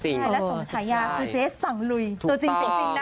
มริยาคือเจ๊สังลุยตัวจริงนะ